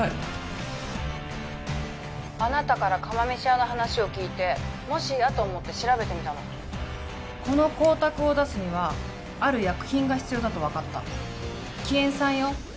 ☎あなたから釜飯屋の話を聞いて☎もしやと思って調べてみたのこの光沢を出すにはある薬品が必要だと分かった希塩酸よ